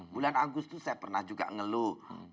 bulan agustus saya pernah juga ngeluh